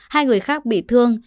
hai người khác bị thương